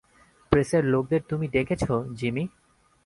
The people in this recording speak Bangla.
প্রেসের লোকদের তুমি ডেকেছো, জিমি?